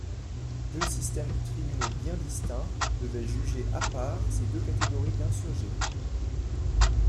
Deux systèmes de tribunaux bien distincts devaient juger à part ces deux catégories d'insurgés.